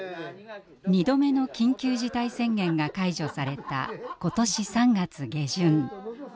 ２度目の緊急事態宣言が解除された今年３月下旬。